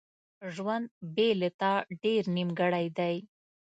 ژوند بیله تا ډیر نیمګړی دی.